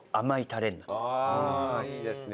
ああいいですね。